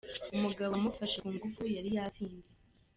Umugabo wamufashe ku ngufu yari yasinze.